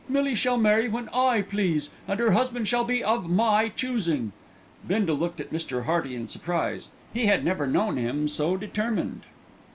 "Millie shall marry when I please, and her husband shall be of my choosing." Bindle looked at Mr. Hearty in surprise. He had never known him so determined.